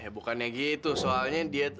bukannya gitu soalnya dia